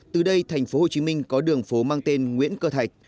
từ đây tp hcm có đường phố mang tên nguyễn cơ thạch